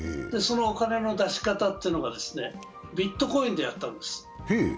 そのお金の出し方というのがビットコインでやったんです。